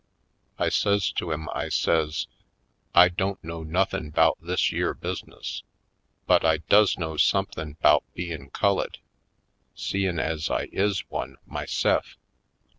I says to him, I says: "I don't know nothin' 'bout this yere bus' ness, but I does know somethin' 'bout bein' cullid, seein' ez I is one myse'f